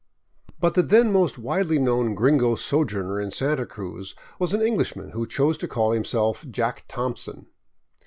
But the then most widely known gringo sojourner in Santa Cruz was an Englishman who chose to call himself " Jack Thompson."